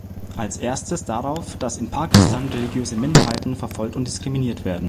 Als Erstes darauf, dass in Pakistan religiöse Minderheiten verfolgt und diskriminiert werden.